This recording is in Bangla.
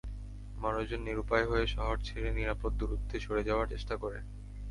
মানুষজন নিরুপায় হয়ে শহর ছেড়ে নিরাপদ দূরত্বে সরে যাওয়ার চেষ্টা করে।